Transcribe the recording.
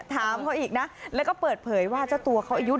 ถามเขาอีกนะแล้วก็เปิดเผยว่าเจ้าตัวเขาอายุ